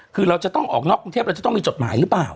คือเราจะต้องออกนอกกรุงเทพเราจะต้องมีจดหมายหรือเปล่า